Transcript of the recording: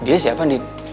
dia siapa nin